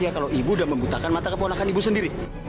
ya kalau ibu udah membutakan mata keponakan ibu sendiri